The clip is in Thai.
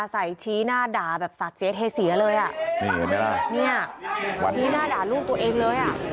มาใส่ชี้หน้าด่าแบบสัตว์เจสเฮษีอ่ะเลยนี่เห็นไหมล่ะชี้หน้าด่าลูกตัวเองเลย